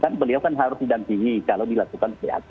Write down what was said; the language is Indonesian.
kan beliau kan harus didampingi kalau dilakukan phk